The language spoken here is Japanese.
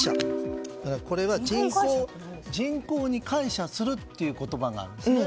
これは人口に膾炙するという言葉があるんですね。